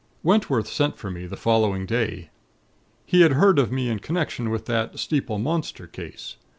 "Wentworth sent for me the following day. He had heard of me in connection with that Steeple Monster Case.